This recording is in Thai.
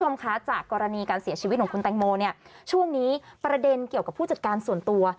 คุณผู้ชมคะจากกรณีการเสียชีวิตของคุณแตงโมเนี่ยช่วงนี้ประเด็นเกี่ยวกับผู้จัดการส่วนตัว